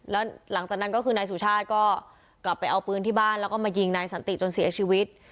แล้วหลังจากนั้นก็คือนายสุชาติก็กลับไปเอาปืนที่บ้านแล้วก็มายิงนายสันติจนเสียชีวิต